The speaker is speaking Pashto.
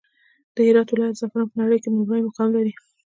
د هرات ولايت زعفران په نړى کې لومړى مقام لري.